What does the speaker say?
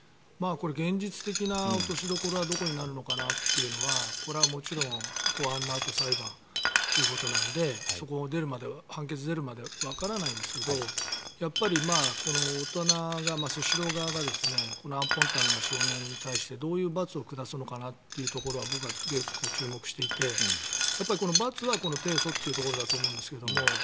現実的な落としどころはどこになるのかなというのはこれはもちろん公判のあと裁判ということなのでそこが出るまで判決出るまでわからないんですがこの大人がスシロー側があんぽんたんな少年に対してどういう罰を下すのかなってところは僕は結構注目していて罰は、この提訴というところだと思うんですが